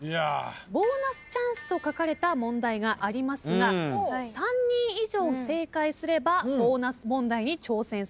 ボーナスチャンスと書かれた問題がありますが３人以上正解すればボーナス問題に挑戦することができます。